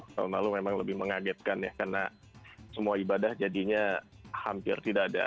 tahun lalu memang lebih mengagetkan ya karena semua ibadah jadinya hampir tidak ada